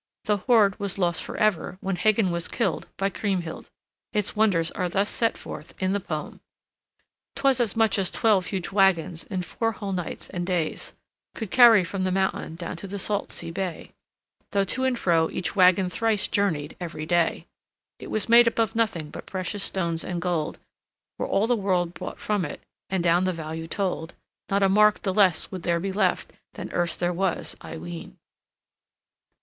The hoard was lost forever when Hagan was killed by Kriemhild. Its wonders are thus set forth in the poem: "'Twas as much as twelve huge wagons in four whole nights and days Could carry from the mountain down to the salt sea bay; Though to and fro each wagon thrice journeyed every day. "It was made up of nothing but precious stones and gold; Were all the world bought from it, and down the value told, Not a mark the less would there be left than erst there was, I ween."